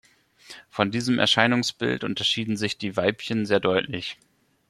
Von diesem Erscheinungsbild unterschieden sich die Weibchen sehr deutlich.